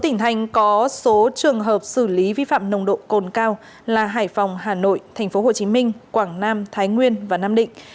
sáu tỉnh thành có số trường hợp xử lý vi phạm nồng độ cồn cao là hải phòng hà nội tp hcm quảng nam thái nguyên và nam định